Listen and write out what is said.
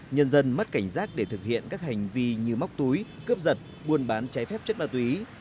nhân dân mất cảnh giác để thực hiện các hành vi như móc túi cướp giật buôn bán trái phép chất ma túy